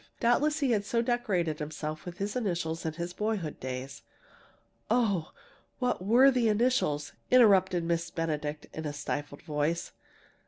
Doubtless he had so decorated himself with his initials in his boyhood days " "Oh, what were the initials?" interrupted Miss Benedict in a stifled voice.